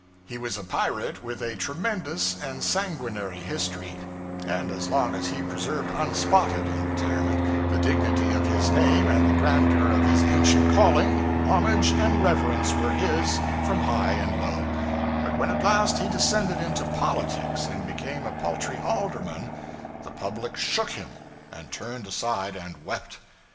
He was a pirate with a tremendous and sanguinary history; and as long as he preserved unspotted, in retirement, the dignity of his name and the grandeur of his ancient calling, homage and reverence were his from high and low; but when at last he descended into politics and became a paltry alderman, the public 'shook' him, and turned aside and wept.